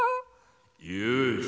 よし。